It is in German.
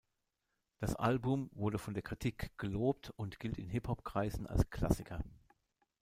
Das Album wurde von der Kritik gelobt und gilt in Hip-Hop-Kreisen als Klassiker.